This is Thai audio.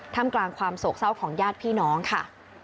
ทำกลางความโศกเศร้าของญาติพี่น้องค่ะ